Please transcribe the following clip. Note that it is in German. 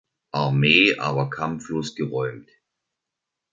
Armee aber kampflos geräumt.